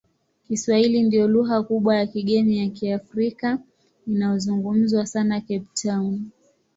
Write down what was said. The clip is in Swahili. Kiswahili ndiyo lugha kubwa ya kigeni ya Kiafrika inayozungumzwa sana Cape Town.